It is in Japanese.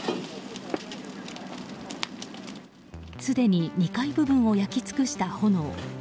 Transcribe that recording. すでに２階部分を焼き尽くした炎。